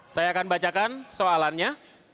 saya akan bacakan soalannya